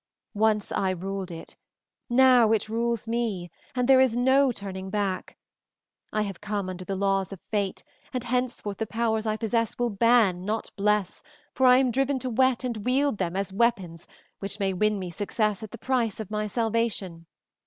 Once I ruled it, now it rules me, and there is no turning back. I have come under the law of fate, and henceforth the powers I possess will ban, not bless, for I am driven to whet and wield them as weapons which may win me success at the price of my salvation.